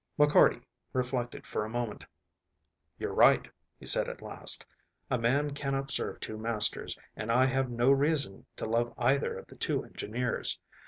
McCarty reflected for a moment. "You're right," he said at last, "a man cannot serve two masters, and I have no reason to love either of the two engineers.